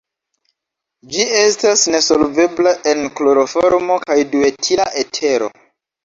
Ĝi esta nesolvebla en kloroformo kaj duetila etero.